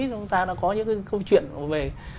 chúng ta đã có những câu chuyện về